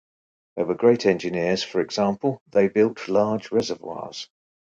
They were great engineers: for example, they built large reservoirs.